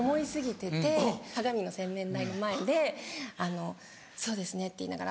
てて鏡の洗面台の前で「そうですね」って言いながら。